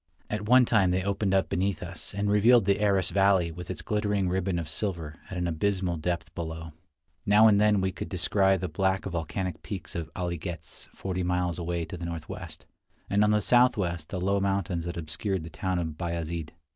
At one time they opened up beneath us, and revealed the Aras valley with its glittering ribbon of silver at an abysmal depth below. Now and then we could descry the black volcanic peaks of Ali Ghez forty miles away to the northwest, and on the southwest the low mountains that obscured the town of Bayazid.